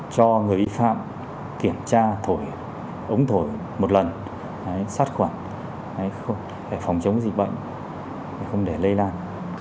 cho người vi phạm kiểm tra thổi ống thổi một lần sát khuẩn để phòng chống dịch bệnh không để lây lan